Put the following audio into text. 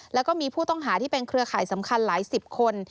แล้วก็มีผู้ต้องหาที่เป็นเครือข่ายสำคัญหลายสิบคน